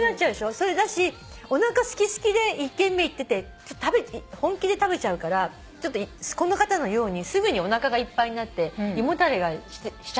それだしおなかすきすきで１軒目行ってて本気で食べちゃうからこの方のようにすぐにおなかがいっぱいになって胃もたれしちゃったんですよ。